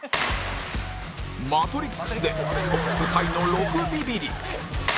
『マトリックス』でトップタイの６ビビリ